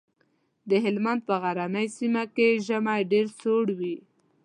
د هلمند په غرنۍ سيمه کې ژمی ډېر سوړ وي.